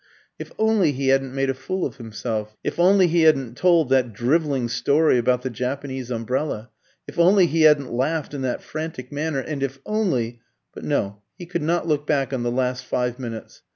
If only he hadn't made a fool of himself, if only he hadn't told that drivelling story about the Japanese umbrella, if only he hadn't laughed in that frantic manner, and if only But no, he could not look back on the last five minutes.